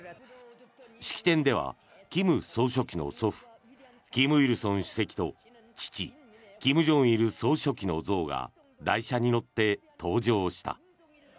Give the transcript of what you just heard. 式典では金総書記の祖父金日成主席と父・金正日総書記の像が台車に載って登場した。